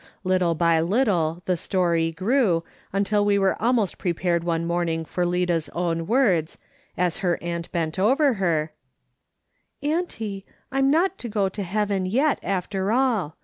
Little by little the story grew, until we were almost prepared one morning for Lida's own words, as her aunt bent over her :" Auntie, I'm not to go to heaven yet, after all.